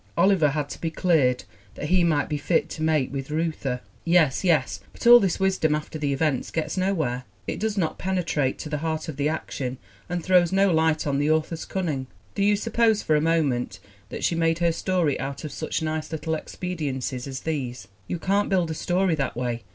Oliver had to be cleared that he might be fit to mate with Reuther! Yes, yes; but all this wisdom after the event gets nowhere. It does not penetrate to the heart of the action and throws no light t on the author's cunning. Do you suppose for a moment that she made her story out of such nice little expediencies as these? You can't build a story that way.